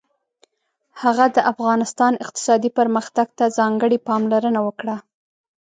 هغه د افغانستان اقتصادي پرمختګ ته ځانګړې پاملرنه وکړه.